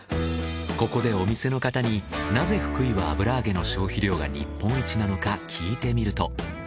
ここでお店の方になぜ福井は油揚げの消費量が日本一なのか聞いてみると。